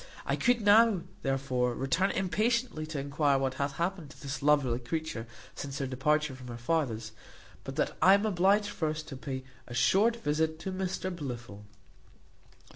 I could now, therefore, return impatiently to enquire what hath happened to this lovely creature since her departure from her father's, but that I am obliged first to pay a short visit to Mr Blifil.